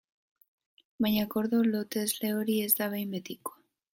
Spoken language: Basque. Baina akordio lotesle hori ez da behin betikoa.